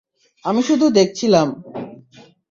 আমি শুধু দেখছিলাম।